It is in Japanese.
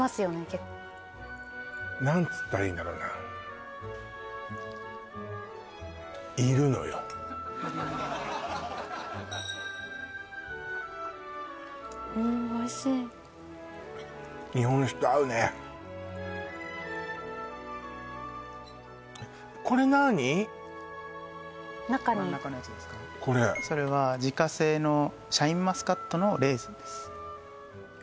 結構何つったらいいんだろうなうんおいしい日本酒と合うね中に真ん中のやつですかこれシャインマスカットのレーズン？